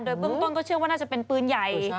โดยเบื้องต้นก็เชื่อว่าน่าจะเป็นปืนใหญ่